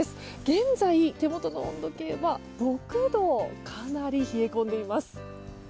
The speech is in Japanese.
現在、手元の温度計は６度かなり冷え込んでいます。